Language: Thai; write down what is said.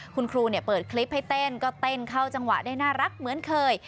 คุณครูเปิดคลิปให้เต้นก็เต้นเข้าจังหวะได้น่ารักเหมือนเคย